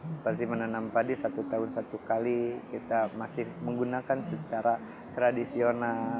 seperti menanam padi satu tahun satu kali kita masih menggunakan secara tradisional